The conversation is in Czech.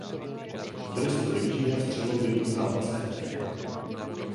V dresu Trenčína vstřelil v jednom zápase hattrick.